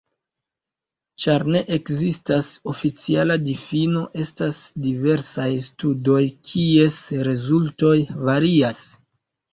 Ĉar ne ekzistas oficiala difino, estas diversaj studoj kies rezultoj varias.